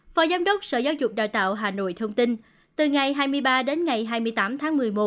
phó giám đốc sở giáo dục đào tạo hà nội thông tin từ ngày hai mươi ba đến ngày hai mươi tám tháng một mươi một